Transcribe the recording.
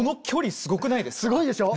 すごいでしょ。